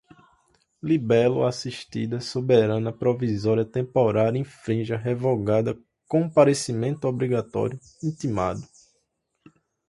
libelo, assistida, soberana, provisória, temporário, infrinja, revogada, comparecimento obrigatório, intimado